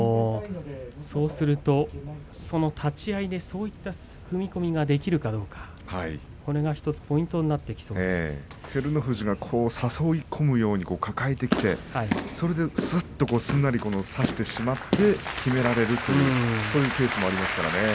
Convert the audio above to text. そうすると立ち合いにそういった踏み込みができるかどうかこれが１つポイントに照ノ富士が誘い込むように抱えてきてそれですっとすんなり差してしまってきめられるそういうケースもありますからね。